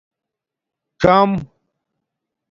څم